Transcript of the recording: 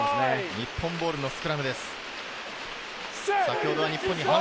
日本ボールのスクラムです。